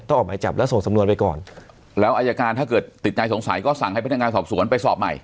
ออกหมายจับแล้วส่งสำนวนไปก่อนแล้วอายการถ้าเกิดติดใจสงสัยก็สั่งให้พนักงานสอบสวนไปสอบใหม่